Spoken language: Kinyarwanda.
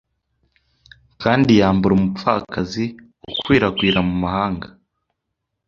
Kandi yambura umupfakazi - ukwirakwira mu mahanga